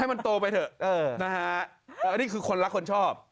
ให้มันโตไปเหอะอันนี้คือคนรักคนชอบ